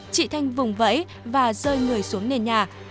chị thanh vùng vẫy và rơi người xuống nền nhà